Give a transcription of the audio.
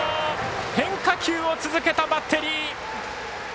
変化球を続けたバッテリー。